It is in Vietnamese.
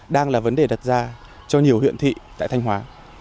đang là vấn đề đặt ra cho nhiều huyện thị tại thanh hóa